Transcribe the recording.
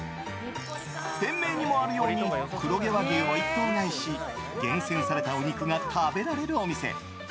店名にもあるように黒毛和牛を一頭買いし厳選されたお肉が食べられるお店。